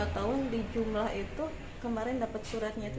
dua tahun di jumlah itu kemarin dapat suratnya itu